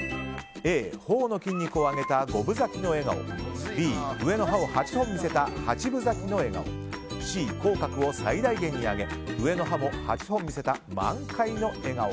Ａ、頬の筋肉を上げた５分咲きの笑顔Ｂ、上の歯を８本見せた８分咲きの笑顔Ｃ、口角を最大限に上げ上の歯も８本見せた満開の笑顔。